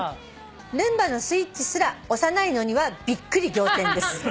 「ルンバのスイッチすら押さないのにはびっくり仰天です」